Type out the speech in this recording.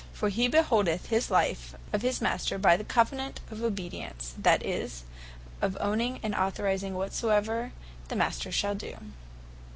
For he holdeth his life of his Master, by the covenant of obedience; that is, of owning, and authorising whatsoever the Master shall do.